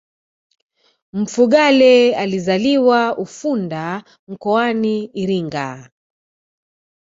mfugale alizaliwa ifunda mkoani iringa